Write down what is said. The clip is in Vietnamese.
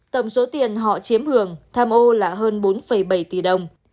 tổng số tiền họ chiếm hưởng tham mô là hơn bốn bảy triệu đồng